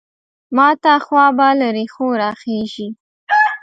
ماته خوا به له رېښو راخېژي.